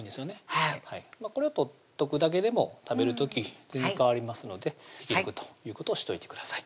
はいこれを取っとくだけでも食べる時全然変わりますので引き抜くということをしといてください